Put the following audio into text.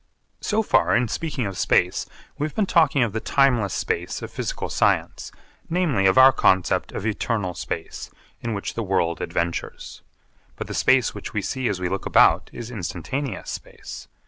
So far in speaking of space we have been talking of the timeless space of physical science, namely, of our concept of eternal space in which the world adventures. But the space which we see as we look about is instantaneous space.